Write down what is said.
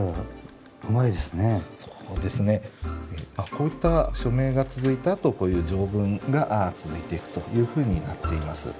こういった署名が続いたあとこういう条文が続いていくというふうになっています。